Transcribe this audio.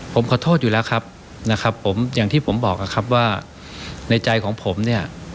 ผมขอโทษอยู่แล้วครับนะครับผมอย่างที่ผมบอกนะครับว่าในใจของผมเนี่ย